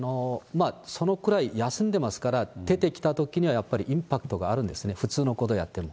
そのくらい休んでますから、出てきたときにはやっぱりインパクトがあるんですね、普通のことやっても。